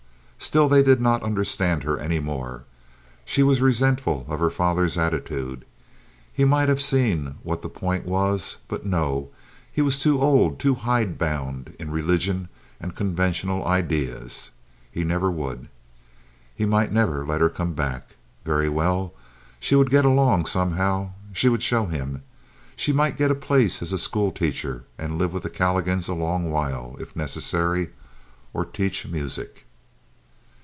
Still, they did not understand her any more. She was resentful of her father's attitude. He might have seen what the point was; but no, he was too old, too hidebound in religion and conventional ideas—he never would. He might never let her come back. Very well, she would get along somehow. She would show him. She might get a place as a school teacher, and live with the Calligans a long while, if necessary, or teach music.